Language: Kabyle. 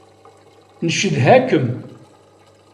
Ncedha-kem.